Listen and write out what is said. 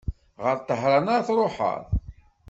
Ɣer Tahran ara truḥeḍ?